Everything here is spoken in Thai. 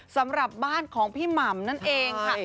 สำหรับบ้านของพี่หม่ำนั่นเองค่ะ